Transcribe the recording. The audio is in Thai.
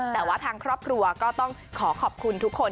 แต่ว่าทางครอบครัวก็ต้องขอขอบคุณทุกคน